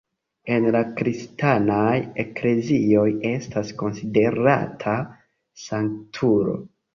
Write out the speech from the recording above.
En la kristanaj eklezioj estas konsiderata sanktulo.